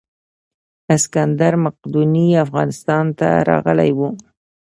اسکندر مقدوني افغانستان ته راغلی و